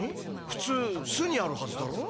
ふつう巣にあるはずだろ？